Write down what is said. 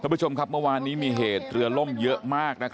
ผู้ชมครับเมื่อวานนี้มีเหตุเรือล่มเยอะมาก